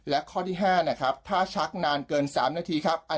และข้อที่๕นะครับถ้าชักนานเกิน๓นาทีครับ